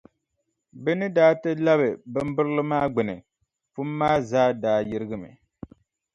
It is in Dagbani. Bɛ ni daa ti labi bimbirili maa gbuni, pum maa zaa daa yirigimi.